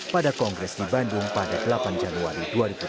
pada kongres di bandung pada delapan januari dua ribu tujuh belas